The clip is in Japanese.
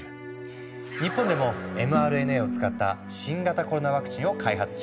日本でもｍＲＮＡを使った新型コロナワクチンを開発中。